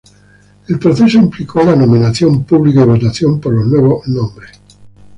El proceso implicó la nominación pública y votación por los nuevos nombres.